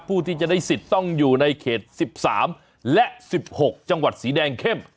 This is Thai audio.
ผู้ที่จะได้สิทธิ์ต้องอยู่ในเขต๑๓และ๑๖จังหวัดสีแดงเข้ม